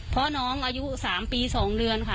เพราะน้องอายุ๓ปี๒เดือนค่ะ